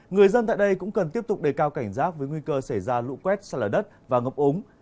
người dân tại đây cũng cần tiếp tục đề cao cảnh giác với nguy cơ xảy ra lũ quét xa lở đất và ngập úng